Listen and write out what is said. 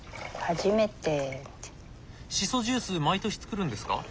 しそジュース毎年作るんですか？